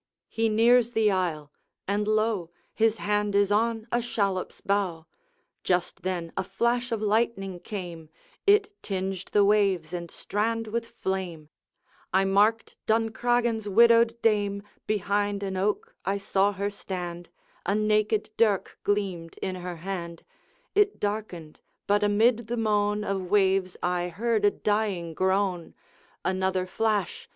He nears the isle and lo! His hand is on a shallop's bow. Just then a flash of lightning came, It tinged the waves and strand with flame; I marked Duncraggan's widowed dame, Behind an oak I saw her stand, A naked dirk gleamed in her hand: It darkened, but amid the moan Of waves I heard a dying groan; Another flash!